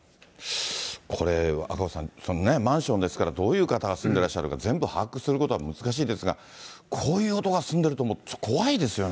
これ、赤星さん、マンションですから、どういう方が住んでらっしゃるか、全部把握することは難しいですが、こういう男が住んでいると思うと、ちょっと怖いですよね。